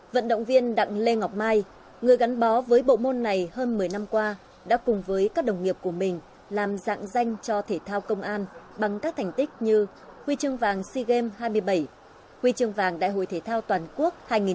vận động viên đặng lê ngọc mai người gắn bó với bộ môn này hơn một mươi năm qua đã cùng với các đồng nghiệp của mình làm dạng danh cho thể thao công an bằng các thành tích như huy chương vàng sea games hai mươi bảy huy chương vàng đại hội thể thao toàn quốc hai nghìn hai mươi bốn